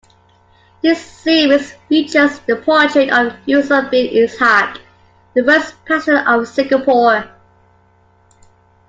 This series features the portrait of Yusof bin Ishak, the first president of Singapore.